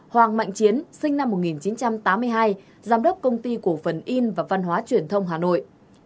hoàng mạnh chiến sinh năm một nghìn chín trăm tám mươi hai giám đốc công ty cổ phần in và văn hóa truyền thông hà nội